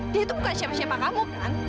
dia itu bukan siapa siapa kamu kan